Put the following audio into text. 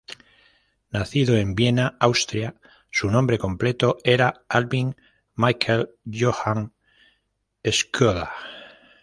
Nacido en Viena, Austria, su nombre completo era Albin Michael Johann Skoda.